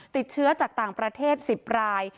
ติดเชื้อจากต่างประเทศ๑๐ราย